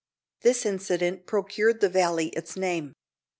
This incident procured the valley its name.